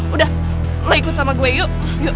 udah lu ikut sama gue yuk